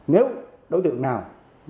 nếu đối tượng nào